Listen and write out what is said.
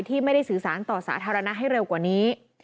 ที่ไม่ได้สื่อสารต่อสาธารณะให้เร็วกว่านี้